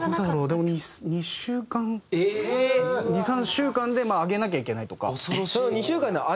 でも２週間２３週間であげなきゃいけないとか。